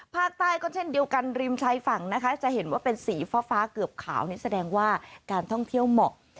ภาคใต้ก็เช่นเดียวกันริมชายฝั่งนะคะจะเห็นว่าเป็นสีฟ้าเกือบขาวนี่แสดงว่าการท่องเที่ยวเหมาะ